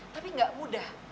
tapi gak mudah